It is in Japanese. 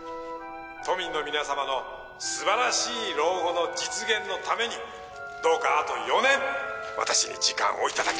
「都民の皆様の素晴らしい老後の実現のためにどうかあと４年私に時間を頂きたい」